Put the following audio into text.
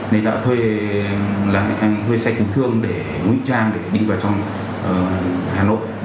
nên đã thuê lăn lính hành thuê xe kinh thương để huỵ trang đi vào trong hà nội